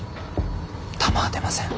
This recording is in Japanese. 弾は出ません。